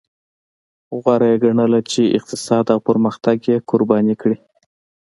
غوره یې ګڼله چې اقتصاد او پرمختګ یې قرباني کړي.